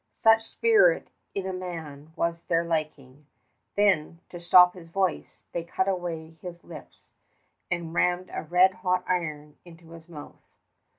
Such spirit in a man was to their liking. Then, to stop his voice, they cut away his lips and rammed a red hot iron into his mouth.